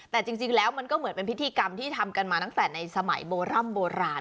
แต่จริงแล้วมันก็เหมือนเป็นพิธีกรรมที่ทำกันมาตั้งแต่ในสมัยโบร่ำโบราณ